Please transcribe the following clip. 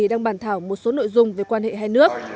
đang bàn thảo một số nội dung về quan hệ hai nước